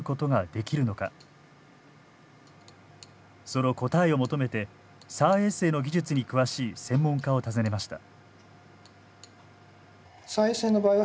その答えを求めてＳＡＲ衛星の技術に詳しい専門家を訪ねました。